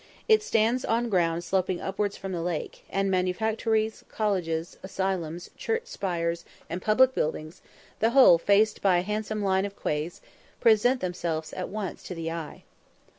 It stands on ground sloping upwards from the lake, and manufactories, colleges, asylums, church spires, and public buildings, the whole faced by a handsome line of quays, present themselves at once to the eye.